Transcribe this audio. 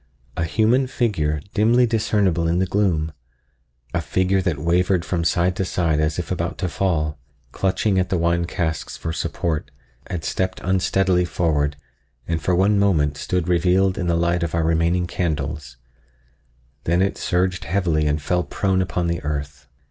—a human figure, dimly discernible in the gloom—a figure that wavered from side to side as if about to fall, clutching at the wine casks for support, had stepped unsteadily forward and for one moment stood revealed in the light of our remaining candles; then it surged heavily and fell prone upon the earth.